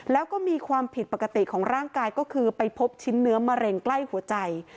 แล้วก็มีความผิดปกติของร่างกายก็คือไปพบชิ้นเนื้อมะเร็งใกล้หัวใจ